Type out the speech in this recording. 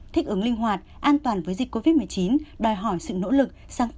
thích ứng linh hoạt an toàn với dịch covid một mươi chín đòi hỏi sự nỗ lực